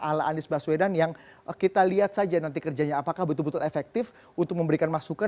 ala anies baswedan yang kita lihat saja nanti kerjanya apakah betul betul efektif untuk memberikan masukan